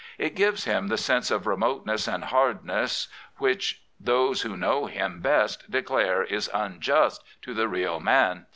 It gives him the sense of remoteness and hardness which those who know him best declare is unjust to the real man.